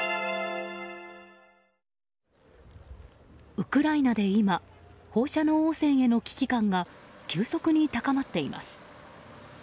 ウクライナで今、放射能汚染への危機感が急速に高まっています。